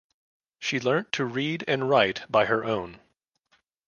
She learnt to read and write by her own.